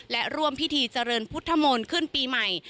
และร่วมพิธีเจริญพุทธมนต์ขึ้นปีใหม่